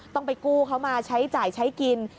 ต้องไปกู้เขามาใช้จ่ายใช้กิน